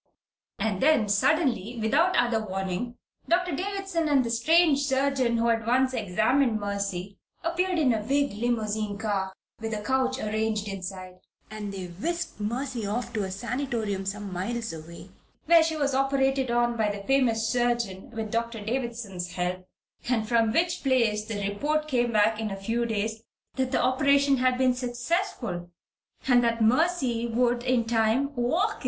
And then, suddenly, without other warning, Doctor Davison and the strange surgeon who had once examined Mercy, appeared in a big limousine car, with a couch arranged inside, and they whisked Mercy off to a sanitarium some miles away, where she was operated on by the famous surgeon, with Doctor Davison's help, and from which place the report came back in a few days that the operation had been successful and that Mercy Curtis would in time walk again!